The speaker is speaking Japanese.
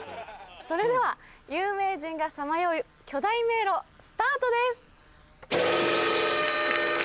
それでは有名人がさまよう巨大迷路スタートです！